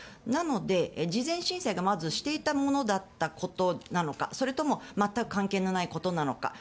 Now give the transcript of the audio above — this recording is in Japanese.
なので事前申請をまず、していたものだったのかそれとも全く関係のないことなのか。